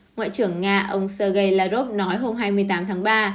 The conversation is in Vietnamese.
ngoại trưởng nga ông sergei lavrov nói hôm hai mươi tám tháng ba